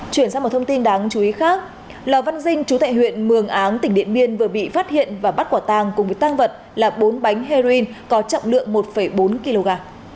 chuyển sang một thông tin đáng chú ý khác lò văn dinh chú tại huyện mường áng tỉnh điện biên vừa bị phát hiện và bắt quả tàng cùng với tăng vật là bốn bánh heroin có trọng lượng một bốn kg